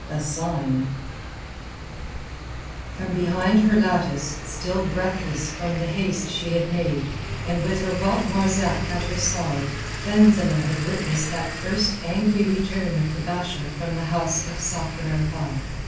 THE SIGN From behind her lattice, still breathless from the haste she had made, and with her whelp Marzak at her side, Fenzileh had witnessed that first angry return of the Basha from the house of Sakr el Bahr.